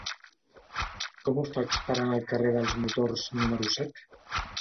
Com ho faig per anar al carrer dels Motors número set?